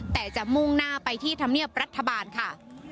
แต่จะมุ่งหน้าไปที่ธรรมเนียบรัฐบาลค่ะ